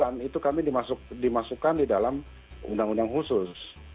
tapi di pp sembilan puluh sembilan itu kami dimasukkan di dalam undang undang khusus